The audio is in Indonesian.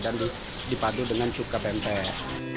dan dipadu dengan cukup pempel